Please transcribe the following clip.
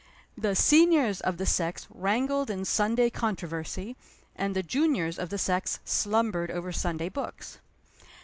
The seniors of the sex wrangled in Sunday controversy; and the juniors of the sex slumbered over Sunday books.